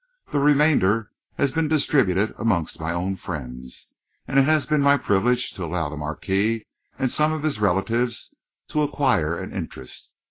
The remainder has been distributed amongst my own friends, and it has been my privilege to allow the Marquis and some of his relatives to acquire an interest.